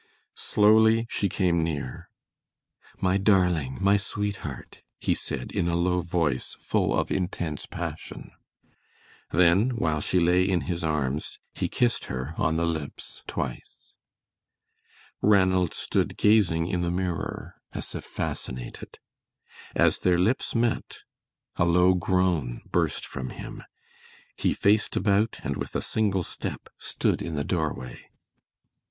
Slowly she came near. "My darling, my sweetheart," he said, in a low voice full of intense passion. Then, while she lay in his arms, he kissed her on the lips twice. Ranald stood gazing in the mirror as if fascinated. As their lips met a low groan burst from him. He faced about, and with a single step, stood in the doorway.